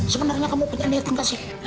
sebenarnya kamu punya niat yang kasih